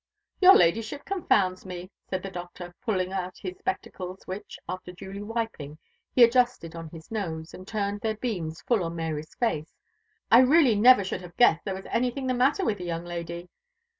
"Your Ladyship confounds me," said the Doctor, pulling out his spectacles, which, after duly wiping, he adjusted on his nose, and turned their beams full on Mary's face "I really never should have guessed there was anything the matter with the young lady.